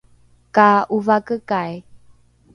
ka ’ovakekai